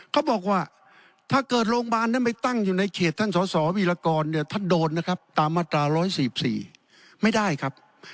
เขาบอกว่าถ้าเกิดโรงพยาบาลนั้นไปตั้งอยู่ในเขตท่านสอสอวีรกรเนี่ยท่านโดนนะครับตามมาตรา๑๔๔ไม่ได้ครับ